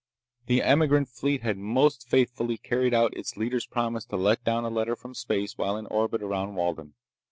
The emigrant fleet had most faithfully carried out its leader's promise to let down a letter from space while in orbit around Walden.